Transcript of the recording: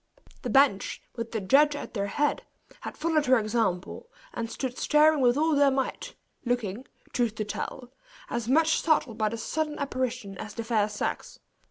The bench, with the judge at their head, had followed her example, and stood staring with all their might, looking, truth to tell, as much startled by the sudden apparition as the fair sex.